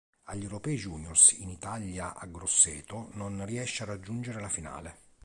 Agli Europei juniores in Italia a Grosseto non riesce a raggiungere la finale.